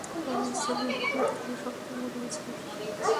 আমি নিশ্চিত তারা সক্ষম হবেন, স্যার।